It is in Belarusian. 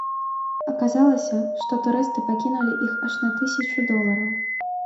Аказалася, што турысты пакінулі іх аж на тысячу долараў.